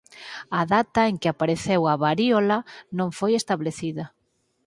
A data en que apareceu a varíola non foi establecida.